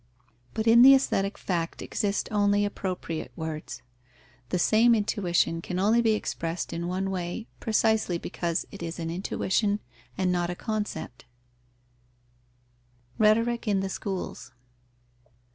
But in the aesthetic fact exist only appropriate words. The same intuition can only be expressed in one way, precisely because it is an intuition and not a concept. _Rhetoric in the schools.